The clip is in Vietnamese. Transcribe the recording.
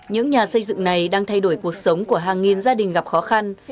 những nhà xây dựng này đang thay đổi cuộc sống của hàng nghìn gia đình gặp khó khăn